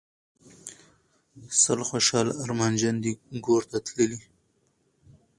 سل خوشحاله ارمانجن دي ګورته تللي